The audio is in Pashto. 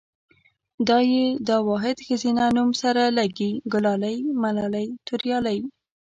دا ۍ دا واحد ښځينه نوم سره لګي، ګلالۍ ملالۍ توريالۍ